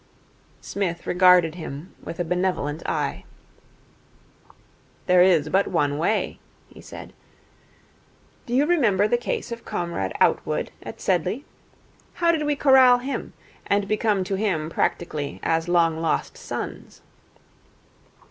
Psmith regarded him with a benevolent eye. 'There is but one way,' he said. 'Do you remember the case of Comrade Outwood, at Sedleigh? How did we corral him, and become to him practically as long lost sons?'